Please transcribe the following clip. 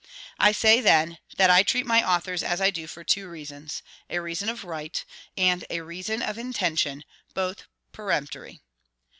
I say, then, that I treat my authors as I do for two reasons: a REASON OF RIGHT, and a REASON OF INTENTION; both peremptory.